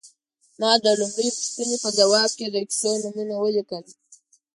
ما د لومړۍ پوښتنې په ځواب کې د کیسو نومونه ولیکل.